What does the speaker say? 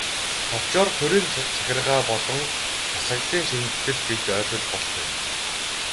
Товчоор, төрийн захиргаа болон засаглалын шинэтгэл гэж ойлгож болох юм.